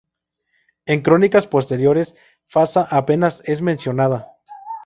En crónicas posteriores, Fasa apenas es mencionada.